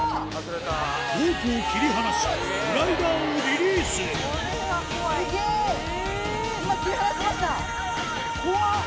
ロープを切り離しグライダーをリリース怖っ！